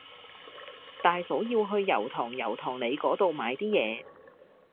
大嫂要去油塘油塘里嗰度買啲嘢